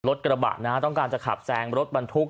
กระบะนะต้องการจะขับแซงรถบรรทุก